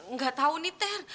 nggak tahu nih ter